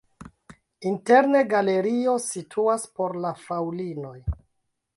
Interne galerio situas por la fraŭlinoj.